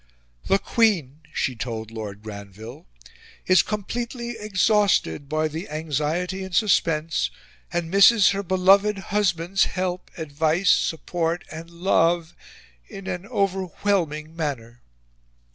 "The Queen," she told Lord Granville, "is completely exhausted by the anxiety and suspense, and misses her beloved husband's help, advice, support, and love in an overwhelming manner."